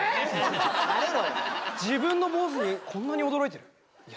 慣れろよ自分の坊主にこんなに驚いてるいや